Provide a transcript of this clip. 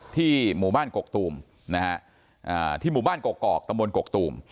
ที่หมู่บ้านกกตูมนะฮะที่หมู่บ้านกกกอกตำรวจกกกตูม